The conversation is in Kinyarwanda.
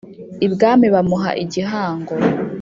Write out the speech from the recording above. ibwami bamuha igihango,